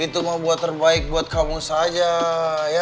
itu mah buat terbaik buat kamu saja ya